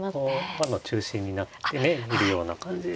輪の中心になってねいるような感じですね。